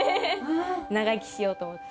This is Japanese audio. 長生きしようと思って。